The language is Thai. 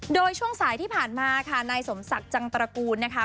โดยช่วงสายที่ผ่านมาค่ะนายสมศักดิ์จังตระกูลนะคะ